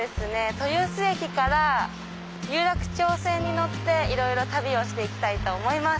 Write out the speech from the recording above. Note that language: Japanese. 豊洲駅から有楽町線に乗っていろいろ旅をして行きたいと思います。